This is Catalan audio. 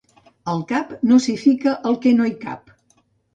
Al cap, no s'hi fica el que no hi cap.